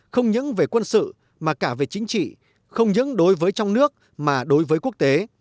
không những về quân sự mà cả về chính trị không những đối với trong nước mà đối với quốc tế